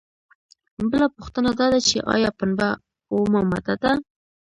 بله پوښتنه دا ده چې ایا پنبه اومه ماده ده؟